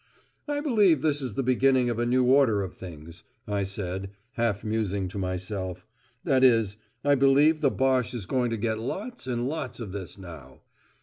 "I believe this is the beginning of a new order of things," I said, half musing, to myself; "that is, I believe the Boche is going to get lots and lots of this now."